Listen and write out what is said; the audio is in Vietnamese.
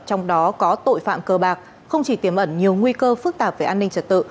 trong đó có tội phạm cơ bạc không chỉ tiềm ẩn nhiều nguy cơ phức tạp về an ninh trật tự